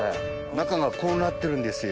中がこうなってるんですよ。